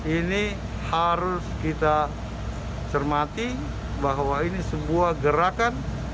ini harus kita cermati bahwa ini sebuah gerakan